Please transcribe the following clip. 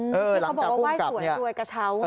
ที่เขาบอกว่าไหว้สวยรวยกระเช้า